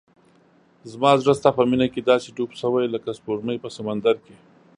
زما زړه ستا په مینه کې داسې ډوب شوی لکه سپوږمۍ په سمندر کې.